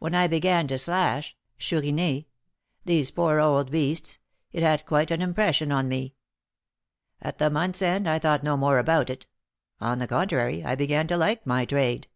When I began to slash (chouriner) these poor old beasts, it had quite an impression on me. At the month's end I thought no more about it; on the contrary, I began to like my trade.